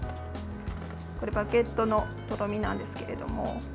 これはバゲットのとろみなんですけども。